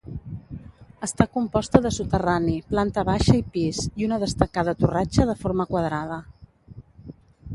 Està composta de soterrani, planta baixa i pis i una destacada torratxa de forma quadrada.